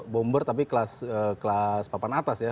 bomber tapi kelas papan atas ya